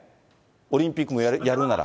オリンピックもやるなら。